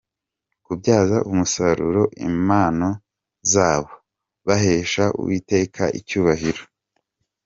kubyaza umusaruro impano zabo bahesha Uwiteka icyubahiro.